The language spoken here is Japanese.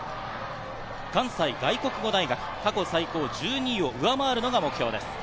関西外国語大学、過去最高１２位を上回るのが目標です。